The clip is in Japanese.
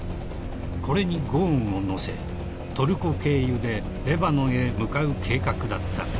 ［これにゴーンを乗せトルコ経由でレバノンへ向かう計画だった］